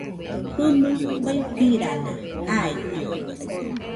Jɨnui faifirana jaide